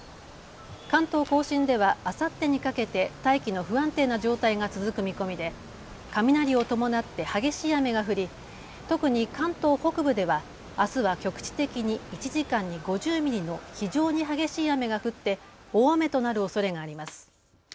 関東甲信では、あさってにかけて大気の不安定な状態が続く見込みで雷を伴って激しい雨が降り、特に関東北部ではあすは局地的に１時間に５０ミリの非常に激しい雨が降って大雨となるおそれがあります。